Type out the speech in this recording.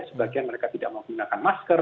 sebagian mereka tidak menggunakan masker